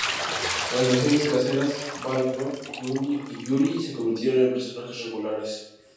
En las versiones caseras, Balrog, Juni y Juli se convirtieron en personajes regulares.